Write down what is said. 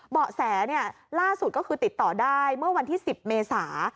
เบาะแสล่าสุดก็คือติดต่อได้เมื่อวันที่๑๐เมษา